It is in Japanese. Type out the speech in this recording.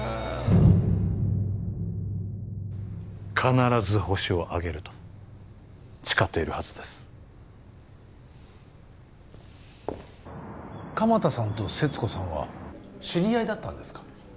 必ずホシをあげると誓っているはずです鎌田さんと勢津子さんは知り合いだったんですか？